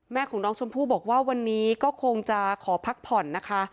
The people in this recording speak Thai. แม่ของน้องชมพู่บอกว่าวันนี้ก็คงจะขอพักผ่อนนะคะ